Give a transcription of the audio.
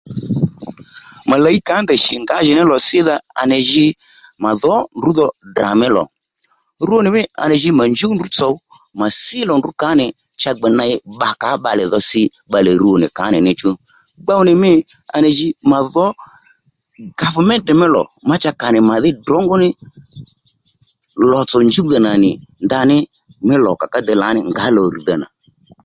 Mà làyi kǎ ndèy shì ngǎjìní lò à nì jǐ màdhǒ ndrǔ dhò Ddrà mí lò rwo nì mî à nì jǐ mà njúw ndrú tsò mà sí lò ndrǔ kà ó nì cha gbè ney gbè bbakǎ ó bbalè dho si bbalè rwo nì kà ó nì ní chú gbow nì mî à nì jì mà dhǒ gavmente mí lò má cha kà nì mà dhí ddrǒngó nì lòtsò njúwdha nà nì ndaní mí lò ka ká dey lǎní ngǎ lò rr̀dha nà